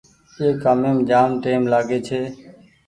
اي ڪآميم جآم ٽآئيم لآگي ڇي۔